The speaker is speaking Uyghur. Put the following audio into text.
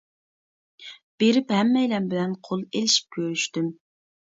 بېرىپ ھەممەيلەن بىلەن قول ئىلىشىپ كۆرۈشتۈم.